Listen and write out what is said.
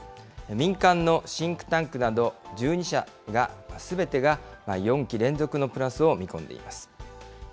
民間のシンクタンクなど１２社が、すべてが４期連続のプラスを見込んでいます。